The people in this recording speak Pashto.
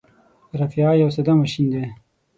رافعه یو ساده ماشین دی.